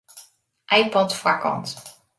iPod foarkant.